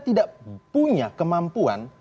tidak punya kemampuan